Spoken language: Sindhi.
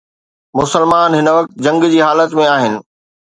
مسلمان هن وقت جنگ جي حالت ۾ آهن.